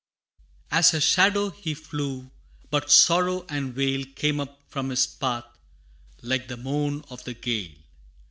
As a shadow He flew, but sorrow and wail Came up from his path, like the moan of the gale.